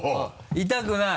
痛くない？